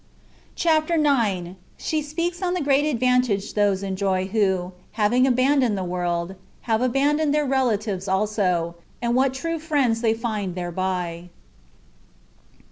CHAPTER IX. SHE BPEAKS ON THE GREAT ADVANTAGE THOSE ENJOT WHO, HAVING ABANDONED THE WORLD, HAVE ABANDONED THEIR RELATIVES ALSO, AND WHAT TRUE FRIENDS THET FIND THEREBY.